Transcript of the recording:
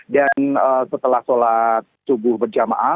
dan setelah sholat subuh berjalan